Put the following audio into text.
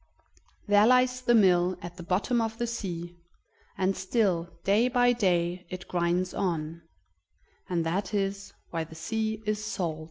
There lies the mill at the bottom of the sea, and still, day by day, it grinds on; and that is why the sea is salt.